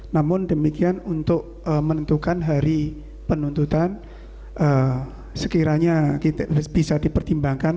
namun demikian untuk menentukan hari penuntutan sekiranya bisa dipertimbangkan